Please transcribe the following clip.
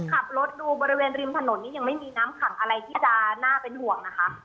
ขับรถดูบริเวณริมถนนนี้ยังไม่มีน้ำขังอะไรที่จะน่าเป็นห่วงนะคะ